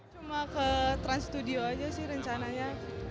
cuma ke trans studio aja sih rencananya